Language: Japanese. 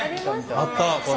あったこれ。